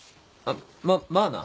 ままあな。